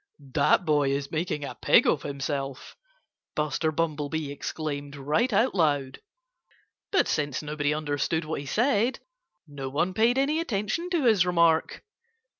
"That boy is making a pig of himself!" Buster Bumblebee exclaimed, right out loud. But since nobody understood what he said, no one paid any attention to his remark.